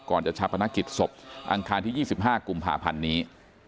ก่อนจะหชับปณะกิจศพอังคารที่ยี่สิบห้ากุมภาพันธุ์นี้